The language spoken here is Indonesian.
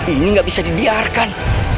ini gak bisa didiarkan